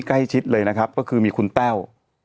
ใกล้ชิดเลยนะครับก็คือมีคุณแต้ว